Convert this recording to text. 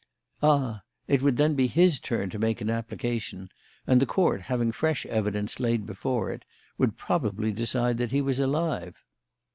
"Ah! It would then be his turn to make an application, and the Court, having fresh evidence laid before it, would probably decide that he was alive."